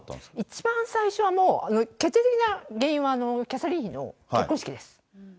一番最初はもう、決定的な原因はキャサリン妃の結婚式です。